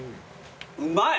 うまい。